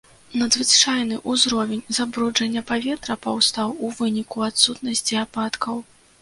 Надзвычайны ўзровень забруджання паветра паўстаў у выніку адсутнасці ападкаў.